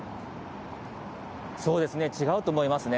そうですね、違うと思いますね。